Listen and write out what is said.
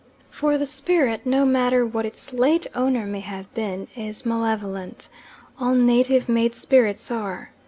For the spirit, no matter what its late owner may have been, is malevolent all native made spirits are.